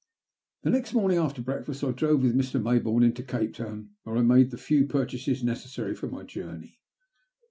Next morning after breakfast I drove with Mr. Mayboume into Cape Town, where I made the few purchases necessary for my journey.